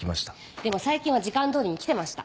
でも最近は時間通りに来てました。